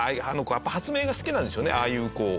やっぱ発明が好きなんでしょうねああいうこう。